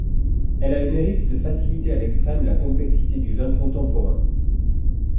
Elle a le mérite de faciliter à l'extrême la complexité du vin contemporain.